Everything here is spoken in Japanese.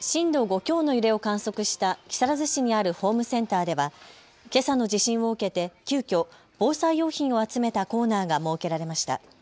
震度５強の揺れを観測した木更津市にあるホームセンターではけさの地震を受けて急きょ、防災用品を集めたコーナーが設けられました。